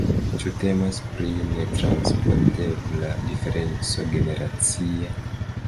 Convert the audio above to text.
Ĉu temas pri netranspontebla diferenco generacia?